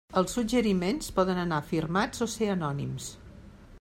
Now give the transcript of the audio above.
Els suggeriments poden anar firmats o ser anònims.